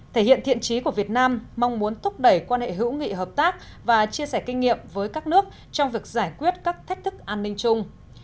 thể hiện thiện trí của việt nam mong muốn thúc đẩy quan hệ hữu nghị hợp tác và chia sẻ kinh nghiệm với các nước trong việc giải quyết các thách thức an ninh chung